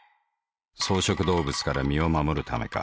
草食動物から身を護るためか。